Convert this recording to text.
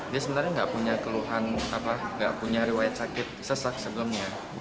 dia sebenarnya nggak punya keluhan apa nggak punya riwayat sakit sesak sebelumnya